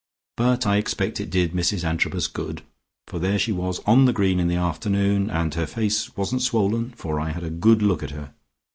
But I expect it did Mrs Antrobus good, for there she was on the green in the afternoon, and her face wasn't swollen for I had a good look at her.